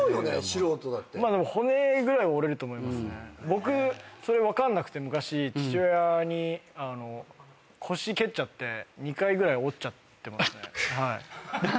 僕それ分かんなくて昔父親に腰蹴っちゃって２回ぐらい折っちゃってますね。